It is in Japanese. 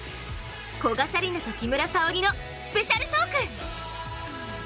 古賀紗理那と木村沙織のスペシャルトーク。